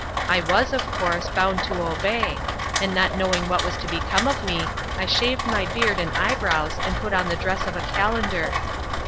I was, of course, bound to obey, and not knowing what was to become of me I shaved my beard and eyebrows and put on the dress of a calender.